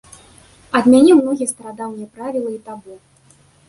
Адмяніў многія старадаўнія правілы і табу.